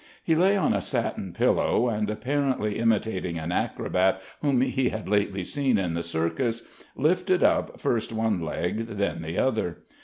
He lay on a satin pillow, and apparently imitating an acrobat whom he had lately seen in the circus, lifted up first one leg then the other.